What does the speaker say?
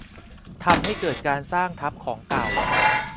ทำให้เกิดการสร้างทับของเก่า